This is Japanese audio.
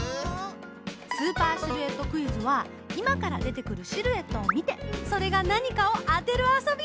「スーパーシルエットクイズ」はいまからでてくるシルエットをみてそれがなにかをあてるあそび！